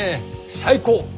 最高！